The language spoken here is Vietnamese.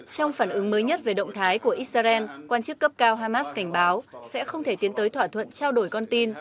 trong phản ứng mới nhất về động thái của israel quan chức cấp cao hamas cảnh báo sẽ không thể tiến tới thỏa thuận trao đổi con tin